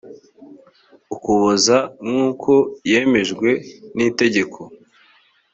ukuboza nk’uko yemejwe n’itegeko